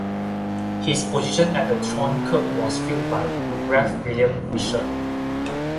His position at the Tron Kirk was filled by Rev William Wishart.